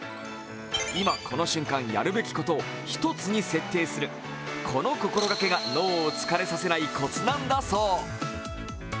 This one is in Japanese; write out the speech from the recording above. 今、この瞬間やるべきことを１つに設定する、この心がけが脳を疲れさせないコツなんだそう。